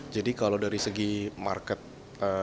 jadi kalau dari segi penumpang kita masih masih menunggu